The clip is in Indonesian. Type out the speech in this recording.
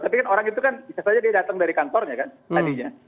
tapi kan orang itu kan bisa saja dia datang dari kantornya kan tadinya